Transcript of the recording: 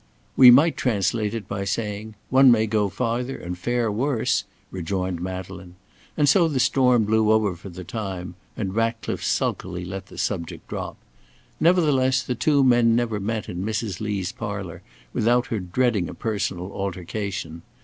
"We might translate it by saying: 'One may go farther and fare worse,'" rejoined Madeleine; and so the storm blew over for the time, and Ratcliffe sulkily let the subject drop. Nevertheless the two men never met in Mrs. Lee's parlour without her dreading a personal altercation.